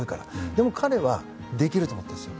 でも彼はできると思ったんです。